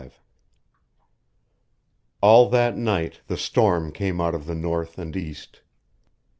XXV All that night the storm came out of the north and east.